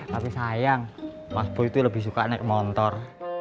tapi sayang mas boy tuh lebih suka naik motor